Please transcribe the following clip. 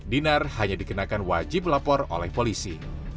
dinar hanya dikenakan wajib lapor oleh polisi